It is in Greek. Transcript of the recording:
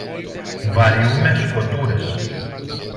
Βαριούμαι σκοτούρες.